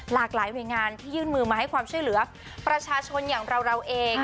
หลากหลายหน่วยงานที่ยื่นมือมาให้ความช่วยเหลือประชาชนอย่างเราเอง